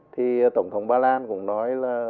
thì tổng thống bà lan cũng nói là